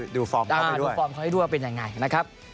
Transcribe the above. ดูฟอร์มเค้าเขาให้ด้วยได้ดูฟอร์มเค้าให้ด้วยเป็นยังไงนะครับ